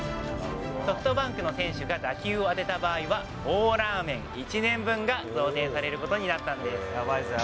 ソフトバンクの選手が打球を当てた場合は、棒ラーメン１年分が贈呈されることになったんです。